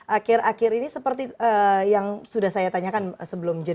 akhir akhir ini seperti yang sudah saya tanyakan sebelum jeda